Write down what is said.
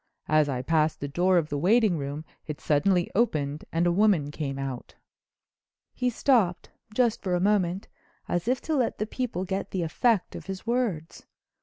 As I passed the door of the waiting room it suddenly opened and a woman came out." He stopped—just for a moment—as if to let the people get the effect of his words.